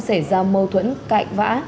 xảy ra mâu thuẫn cạnh vã